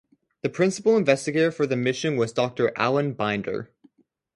The Principal Investigator for the mission was Doctor Alan Binder.